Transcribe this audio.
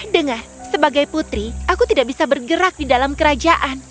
dengar sebagai putri aku tidak bisa bergerak di dalam kerajaan